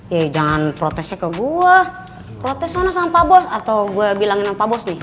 ya jangan protesnya ke gue protes mana sama pak bos atau gue bilangin sama pak bos nih